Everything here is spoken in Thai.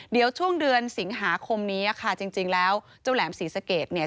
เดี๋ยวช่วงเดือนสิงหาคมนี้ค่ะจริงแล้วเจ้าแหลมศรีสะเกดเนี่ย